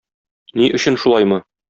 Ни өчен шулаймы?